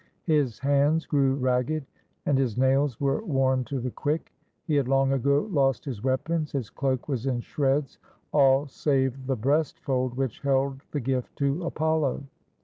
His hands grew ragged, and his^ nails were worn to the quick. He had long ago lost his weapons ; his cloak was in shreds, all save the breast fold which held the gift to Apollo.